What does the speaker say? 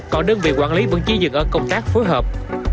còn đơn vị quản lý vẫn chi dựng ở công tác phối hợp